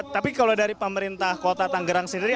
tapi kalau dari pemerintah kota tanggerang sendiri